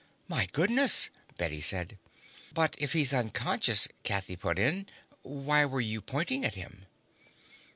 "My goodness," Bette said. "But if he's unconscious," Kathy put in, "why were you pointing at him?"